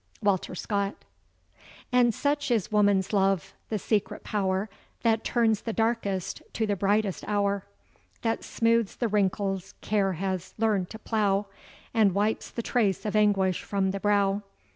WALTER SCOTT. And such is woman's love—the secret power That turns the darkest to the brightest hour; That smothes the wrinkles care has learned to plough, And wipes the trace of anguish from the brow!